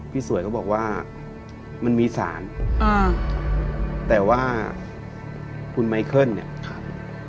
สวยเขาบอกว่ามันมีสารอ่าแต่ว่าคุณไมเคิลเนี่ยครับ